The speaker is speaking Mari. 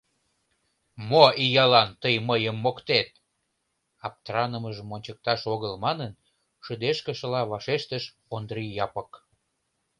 — Мо иялан тый мыйым моктет? — аптранымыжым ончыкташ огыл манын, шыдешкышыла вашештыш Ондрий Япык.